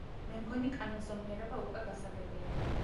მემგონი კანონზომიერება უკვე გასაგებია.